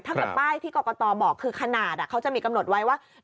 กับป้ายที่กรกตบอกคือขนาดเขาจะมีกำหนดไว้ว่า